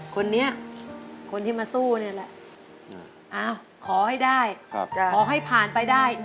คนนี้คนที่มาสู้นี่แหละขอให้ได้ขอให้ผ่านไปได้